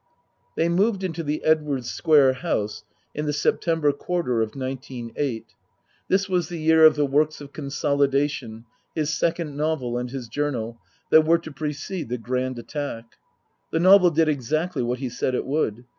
They moved into the Edwardes Square house in the September quarter of nineteen eight. This was the year of the works of consolidation, his second novel and his "Journal," that were to precede the Grand Attack. The novel did exactly what he said it would.